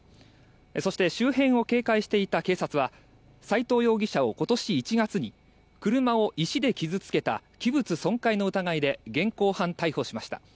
そして周辺を警戒していた警察は斎藤容疑者を今年１月に車を石で傷付けた器物損壊の疑いで現行犯逮捕しました。